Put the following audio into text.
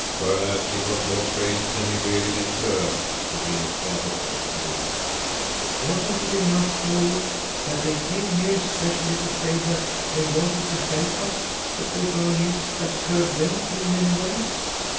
"Perhaps he got more praise than he really deserved," put in his father thoughtfully. "Wasn't it enough for you that they came here specially to say they wanted to help us because our Nils had served them in many ways?